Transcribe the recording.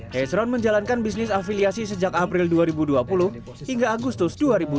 hesron menjalankan bisnis afiliasi sejak april dua ribu dua puluh hingga agustus dua ribu dua puluh